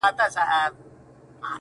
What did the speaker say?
خدایه ته ګډ کړې دا د کاڼو زیارتونه!.